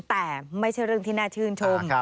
แต่ไม่ใช่เรื่องที่น่าชื่นชม